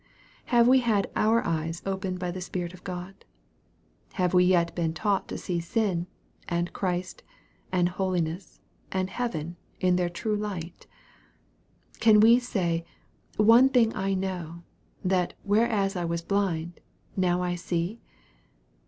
Have we had our eyes opened by the Spirit of God ? Have we yet been taught to see sin, and Christ, and holiness, and heaven, in their true light ? Can we say, One thing I know, that whereas I was blind, now I see